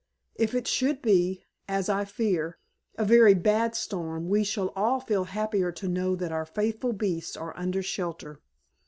If it should be, as I fear, a very bad storm we shall all feel happier to know that our faithful beasts are under shelter."